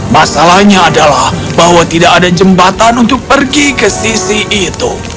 masalahnya adalah bahwa tidak ada jembatan untuk pergi ke sisi itu